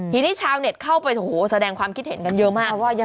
ทีนี้ชาวเน็ตเข้าไปโอ้โหแสดงความคิดเห็นกันเยอะมาก